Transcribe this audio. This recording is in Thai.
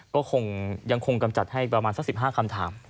ก็คงยังคงกำจัดให้ประมาณสัก๑๕คำถาม